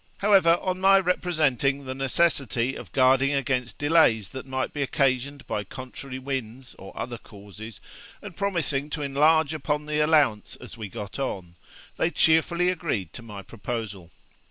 However, on my representing the necessity of guarding against delays that might be occasioned by contrary winds, or other causes, and promising to enlarge upon the allowance as we got on, they cheerfully agreed to my proposal.'